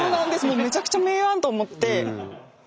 めちゃくちゃ名案と思って。